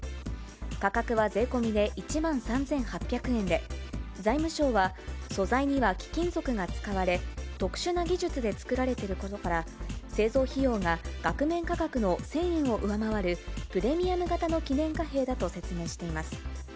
価格は税込みで１万３８００円で、財務省は、素材には貴金属が使われ、特殊な技術で造られていることから、製造費用が額面価格の１０００円を上回る、プレミアム型の記念貨幣だと説明しています。